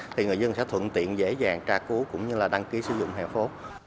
thì người dân sẽ thượng tiện dễ dàng tra cứu cũng như là đăng ký sử dụng hẹo phố